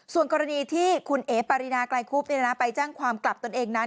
ส่วนกรณีที่คุณเอ๋ปารินาไกลคุบไปแจ้งความกลับตนเองนั้น